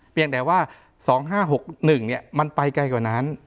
เพียงแต่ว่า๒๕๖๑มันไปไกลกว่านั้น